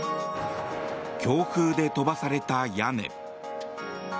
強風で飛ばされた屋根。